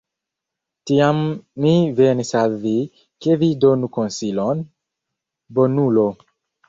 Tiam mi venis al vi, ke vi donu konsilon, bonulo!